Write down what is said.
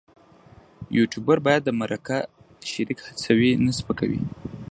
یوټوبر باید د مرکه شریک هڅوي نه سپکوي.